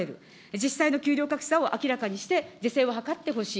実際の給料格差を明らかにして、是正を図ってほしい。